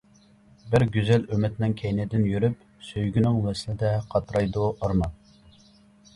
بىر گۈزەل ئۈمىدنىڭ كەينىدىن يۈرۈپ، سۆيگۈنىڭ ۋەسلىدە قاترايدۇ ئارمان.